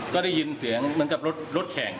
ก็ได้ยินเสียงเหมือนกับรถแข่ง